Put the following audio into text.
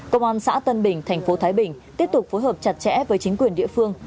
công an xã tân bình thành phố thái bình tiếp tục phối hợp chặt chẽ với chính quyền địa phương